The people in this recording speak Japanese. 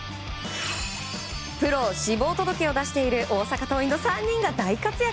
プロ志望届を出している大阪桐蔭の３人が大活躍。